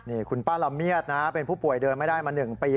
นี่คุณป้าละเมียดนะเป็นผู้ป่วยเดินไม่ได้มา๑ปี